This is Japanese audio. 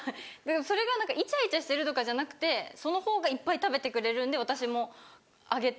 それが何かイチャイチャしてるとかじゃなくてその方がいっぱい食べてくれるんで私もあげて。